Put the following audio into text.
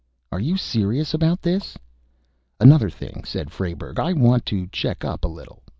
"Are you serious about this?" "Another thing," said Frayberg, "I want to check up a little.